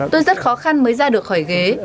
tôi rất khó khăn mới ra được khỏi ghế